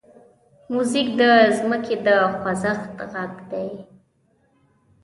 موزیک د ځمکې د خوځښت غږ دی.